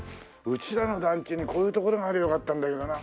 うちらの団地にこういうところがあればよかったんだけどな。